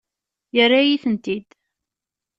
Yerra-yi-tent-id.